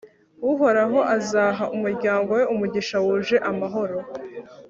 uhoraho azaha umuryango we umugisha wuje amahoro